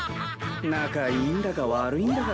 仲いいんだか悪いんだか。